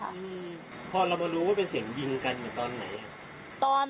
อืมพอเรามารู้ว่าเป็นเสียงยิงกันอยู่ตอนไหนอ่ะตอน